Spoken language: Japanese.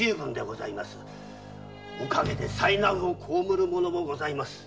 おかげで災難を被る者もございます。